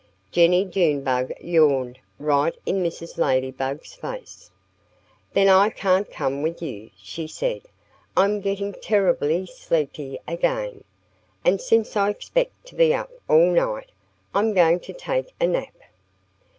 Jennie Junebug yawned right in Mrs. Ladybug's face. "Then I can't come with you," she said. "I'm getting terribly sleepy again. And since I expect to be up all night, I'm going to take a nap."